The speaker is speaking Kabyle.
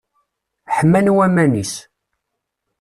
Ḥman waman-is.